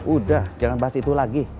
udah jangan bahas itu lagi